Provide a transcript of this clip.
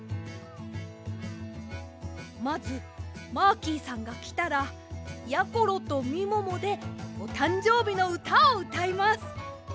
まずマーキーさんがきたらやころとみももでおたんじょうびのうたをうたいます！